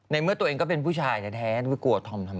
เมื่อตัวเองก็เป็นผู้ชายแท้ไม่กลัวธอมทำไม